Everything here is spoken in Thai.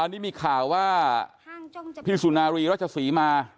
อันนี้มีข่าวว่าพี่สุนารีรจฉศวีมา